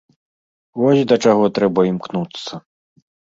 Вось да чаго трэба імкнуцца.